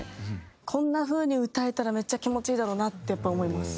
こんな風に歌えたらめっちゃ気持ちいいだろうなってやっぱ思います。